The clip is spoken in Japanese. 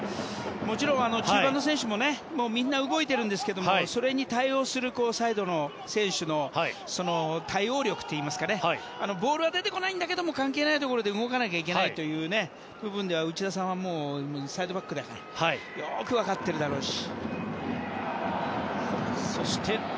もちろん中盤の選手もみんな動いてるんですけどそれに対応するサイドの選手の対応力といいますかボールは出てこないんだけど関係ないところで動かなきゃいけないという部分ではサイドバックの選手はよく分かってるだろうし。